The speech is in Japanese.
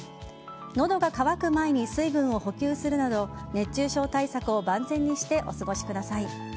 喉が渇く前に水分を補給するなど熱中症対策を万全にしてお過ごしください。